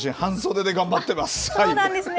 そうなんですね。